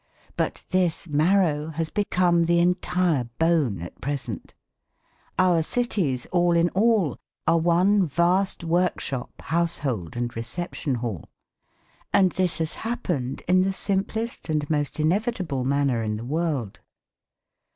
But this marrow has become the entire bone at present. Our cities, all in all, are one vast workshop, household and reception hall. And this has happened in the simplest and most inevitable manner in the world.